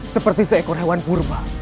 seperti seekor hewan purba